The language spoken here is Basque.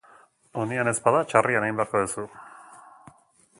Onean ez bada txarrean egin beharko duzu.